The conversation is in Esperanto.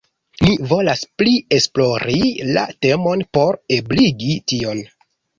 Ni volas pli esplori la temon por ebligi tion.